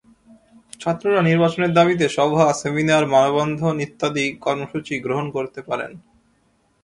ছাত্ররা নির্বাচনের দাবিতে সভা, সেমিনার, মানববন্ধন ইত্যাদি কর্মসূচি গ্রহণ করতে পারেন।